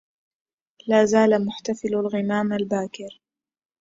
لازال محتفل الغمام الباكر